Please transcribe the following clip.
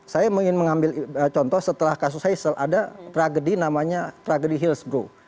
saya ingin mengambil contoh setelah kasus heysel ada tragedi namanya tragedi hillsborough